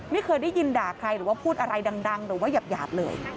ไม่เคยได้ยินด่าใครหรือว่าพูดอะไรดังหรือว่าหยาบเลย